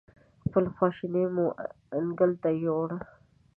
خپله خواشیني مو انکل ته ویوړه.